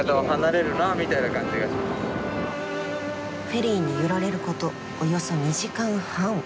フェリーに揺られることおよそ２時間半。